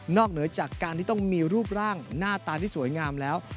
เหนือจากการที่ต้องมีรูปร่างหน้าตาที่สวยงามแล้ว